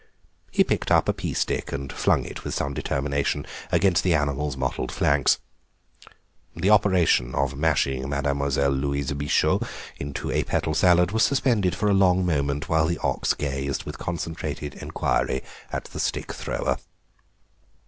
He picked up a pea stick and flung it with some determination against the animal's mottled flanks. The operation of mashing Mademoiselle Louise Bichot into a petal salad was suspended for a long moment, while the ox gazed with concentrated inquiry at the stick thrower.